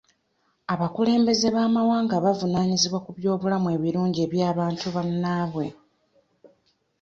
Abakulembeze b'amawanga bavunaanyizibwa ku by'obulamu ebirungi eby'antu bannaabwe.